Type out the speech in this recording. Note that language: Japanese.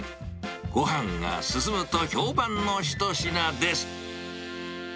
ごはんが進むと評判の一品です。